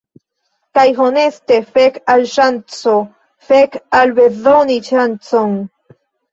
Kaj honeste, fek al ŝanco, fek al bezoni ŝancon.